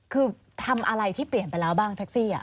คือทำอะไรที่เปลี่ยนไปแล้วบ้างแท็กซี่